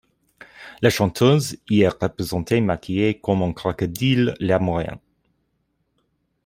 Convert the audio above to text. La chanteuse y est représentée maquillée comme un crocodile larmoyant.